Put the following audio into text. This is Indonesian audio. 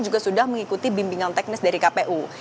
juga sudah mengikuti bimbingan teknis dari kpu